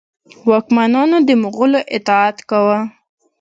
واکمنانو د مغولو اطاعت کاوه.